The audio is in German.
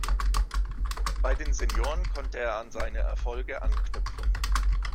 Bei den Senioren konnte er an seine Erfolge anknüpfen.